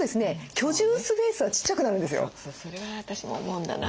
それは私も思うんだな。